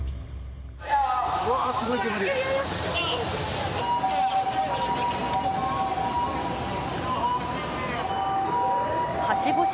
うわー、すごい煙。